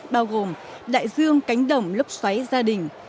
bao gồm đại dương cánh đồng lốc xoáy gia đình